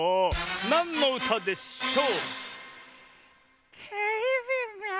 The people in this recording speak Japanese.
なんのうたでしょう？